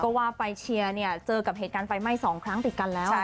ก็ว่าไปเชียร์เนี่ยเจอกับเหตุการณ์ไฟไหม้๒ครั้งติดกันแล้ว